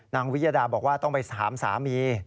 วิยดาบอกว่าต้องไปถามสามี